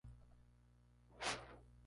Su madre probablemente era francesa.